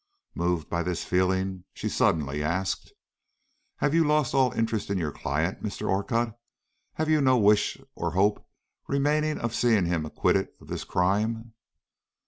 Moved by this feeling, she suddenly asked: "Have you lost all interest in your client, Mr. Orcutt? Have you no wish or hope remaining of seeing him acquitted of this crime?"